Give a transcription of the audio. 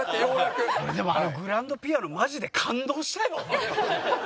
でもあのグランドピアノマジで感動したよ！